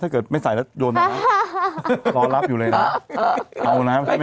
กล่อรับอยู่เลยแล้ว